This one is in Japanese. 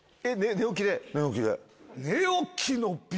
寝起きで。